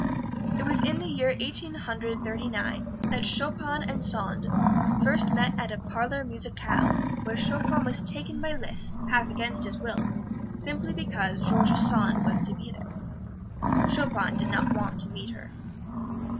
It was in the year Eighteen Hundred Thirty nine, that Chopin and Sand first met at a parlor musicale, where Chopin was taken by Liszt, half against his will, simply because George Sand was to be there. Chopin did not want to meet her.